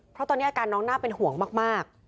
เพราะตอนนี้อาการน้องน่าเป็นห่วงมาก